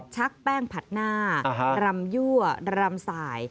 ชักแป้งผัดหน้ารำยั่วรำสาย